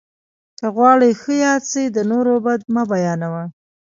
که غواړې ښه یاد سې، د نور بد مه بيانوه!